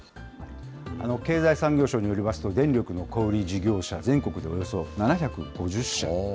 経済産業省によりますと、電力の小売り事業者、全国でおよそ７５０社。